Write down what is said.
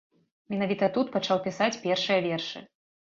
Менавіта тут пачаў пісаць першыя вершы.